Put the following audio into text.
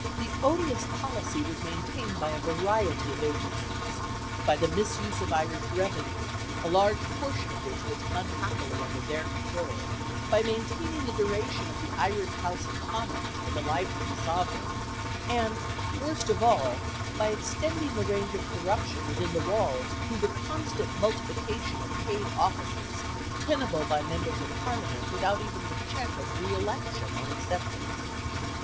The odious policy was maintained by a variety of agencies; by the misuse of Irish revenue, a large portion of which was unhappily under their control; by maintaining the duration of the Irish House of Commons for the life of the Sovereign; and, worst of all, by extending the range of corruption within the walls, through the constant multiplication of paid offices tenable by members of Parliament without even the check of re election on acceptance.